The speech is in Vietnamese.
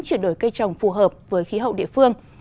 chuyển đổi cây trồng phù hợp với khí hậu địa phương